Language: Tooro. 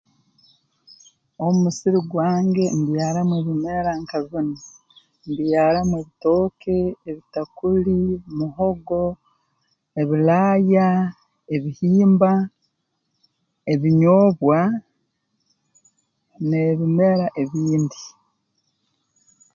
Omu musiri gwange mbyaramu ebimera nka binu mbyaramu ebitooke ebitakuli muhogo ebilaaya ebihimba ebinyoobwa n'ebimera ebindi